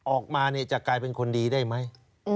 ออกมาจะกลายเป็นคนดีได้ไหม